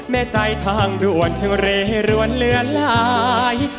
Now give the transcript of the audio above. แม้ใจทางด่วนทะเลหลวนเลือนลาย